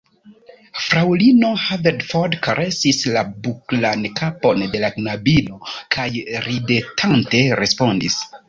Fraŭlino Haverford karesis la buklan kapon de la knabino, kaj ridetante respondis: